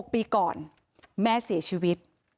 ปีก่อนแม่เสียชีวิต